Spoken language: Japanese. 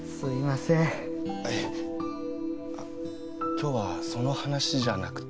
今日はその話じゃなくて。